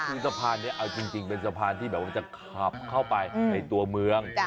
คือสะพานนี้เอาจริงเป็นสะพานที่แบบว่าจะขับเข้าไปในตัวเมือง